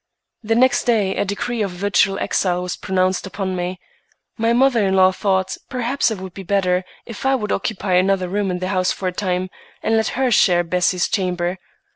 The next day a decree of virtual exile was pronounced upon me. My mother in law thought perhaps it would be better if I would occupy another room in the house for a time, and let her share Bessie's chamber.